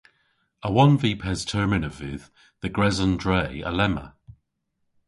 A wonn vy pes termyn a vydh dhe gres an dre alemma?